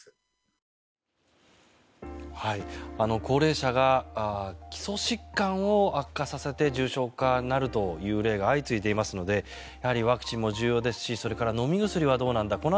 高齢者が基礎疾患を悪化させて重症化になるという例が相次いでいますのでやはりワクチンも重要ですしそれから飲み薬もどうなんだ